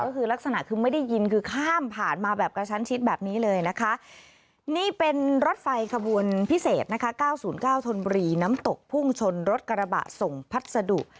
ก็คือลักษณะคือไม่ได้ยินคือข้ามผ่านมาแบบกระชั้นชิดแบบนี้เลยนะคะนี่เป็นรถไฟขบวนพิเศษนะคะ๙๐๙ธนบุรีน้ำตกพุ่งชนรถกระบะส่งพัสดุ